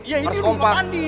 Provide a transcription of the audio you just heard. iya ini udah mau mandi